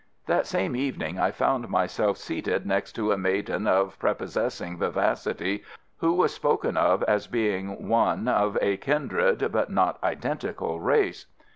That same evening I found myself seated next to a maiden of prepossessing vivacity, who was spoken of as being one of a kindred but not identical race.